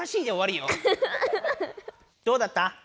どうだった？